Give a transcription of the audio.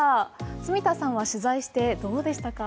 住田さんは取材してどうでしたか。